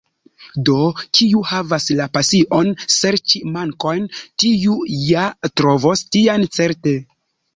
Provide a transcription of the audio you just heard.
Do, kiu havas la pasion serĉi mankojn, tiu ja trovos tiajn certe.